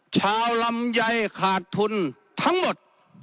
ชาวลำไยขาดทุนทั้งหมด